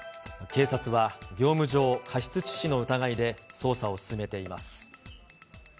警察は業務上過失致死の疑いで、捜査を進めています。